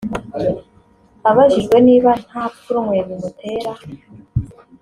Abajijwe niba nta pfunwe bimutera